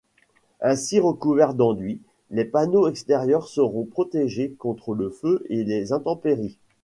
Ainsi recouverts d’enduit, les panneaux extérieurs sont protégés contre le feu et les intempéries.